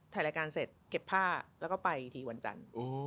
ถ่ายรายการเสร็จต้นผ้าใหม่กันเข้าผิดแล้วก็ไปที่วันจันทร์